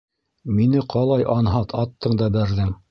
Мине ҡалай анһат аттың да бәрҙең!